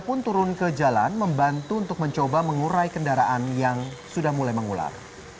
pun turun ke jalan membantu untuk mencoba mengurai kendaraan yang sudah mulai mengular